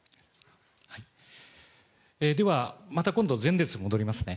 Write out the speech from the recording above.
ではまた今度、前列に戻りますね。